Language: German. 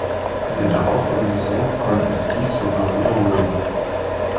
In der darauffolgenden Saison konnte sie dies sogar wiederholen.